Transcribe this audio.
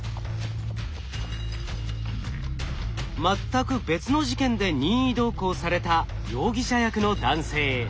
全く別の事件で任意同行された容疑者役の男性。